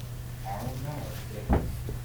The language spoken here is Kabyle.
Ɛawen-aɣ-d.